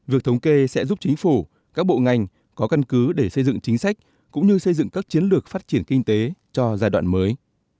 việc thống kê sẽ giúp chính phủ các bộ ngành có căn cứ để xây dựng chính sách cũng như xây dựng các chiến lược phát triển kinh tế cho giai đoạn mới